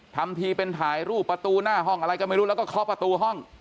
ทำทีเป็นถ่ายรูปประตูหน้าห้องอะไรก็ไม่รู้แล้วก็เคาะประตูห้อง